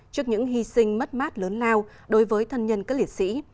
trước những hy sinh mất mát lớn lao đối với thân nhân các liệt sĩ